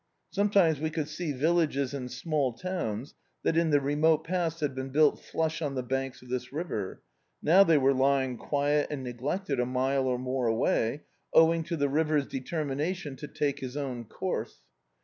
Som^ times we would see villages and small towns that in the remote past had been built flush cm the banks of this river : now they were lying quiet and neglected a mile or more away, owing to the river's detenni nation to take bis own course.